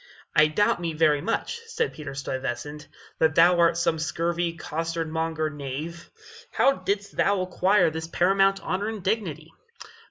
"I doubt me much," said Peter Stuyvesant, "that thou art some scurvy costard monger knave. How didst thou acquire this paramount honor and dignity?"